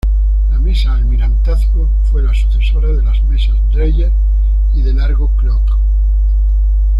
La mesa Almirantazgo fue la sucesora de las mesas Dreyer y del Argo Clock.